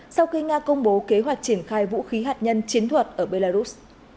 sau khi nga công bố kế hoạch triển khai vũ khí hạt nhân chiến thuật ở belarus